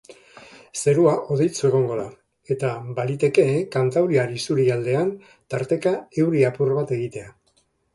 Zerua hodeitsu egongo da eta baliteke kantauriar isurialdean tarteka euri apur bat egitea.